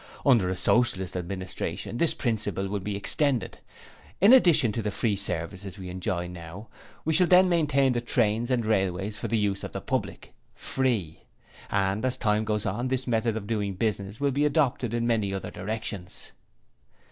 Under a Socialist Administration this principle will be extended in addition to the free services we enjoy now we shall then maintain the trains and railways for the use of the public, free. And as time goes on, this method of doing business will be adopted in many other directions.'